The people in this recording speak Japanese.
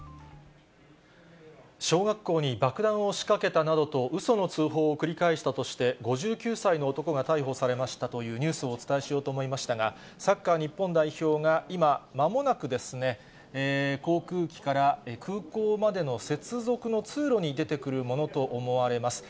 小学校に爆弾を仕掛けたなどと、うその通報を繰り返したとして、５９歳の男が逮捕されましたというニュースをお伝えしようと思いましたが、サッカー日本代表が今、まもなく、航空機から空港までの接続の通路に出てくるものと思われます。